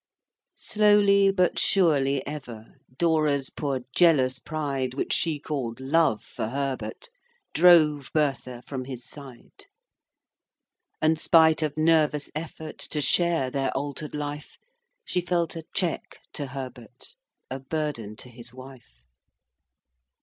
X. Slowly, but surely ever, Dora's poor jealous pride, Which she call'd love for Herbert, Drove Bertha from his side; And, spite of nervous effort To share their alter'd life, She felt a check to Herbert, A burden to his wife.